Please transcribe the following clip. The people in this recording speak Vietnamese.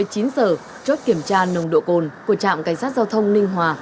hai mươi chín h chốt kiểm tra nồng độ cồn của trạm cảnh sát giao thông ninh hòa